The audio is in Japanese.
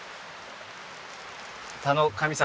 田の神様